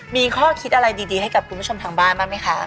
มีข้อคิดอะไรดีให้กับคุณผู้ชมทางบ้านบ้างไหมคะ